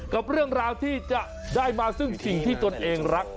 กับเรื่องราวที่จะได้มาซึ่งสิ่งที่ตนเองรัก